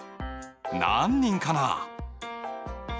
何人かな？